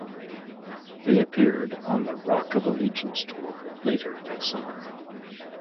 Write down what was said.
They appeared on the Rock of Allegiance tour later that summer.